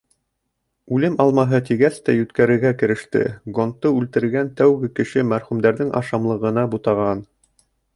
— Үлем Алмаһы, — тигәс тә йүткерергә кереште, — гондты үлтергән тәүге кеше мәрхүмдәрҙең ашамлығына бутаған.